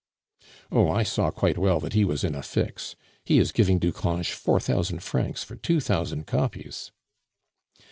"Oh, I saw quite well that he was in a fix. He is giving Ducange four thousand francs for two thousand copies."